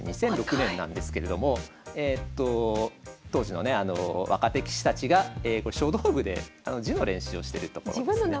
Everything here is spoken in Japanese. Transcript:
２００６年なんですけれども当時のね若手棋士たちがこれ書道部で字の練習をしてるところですね。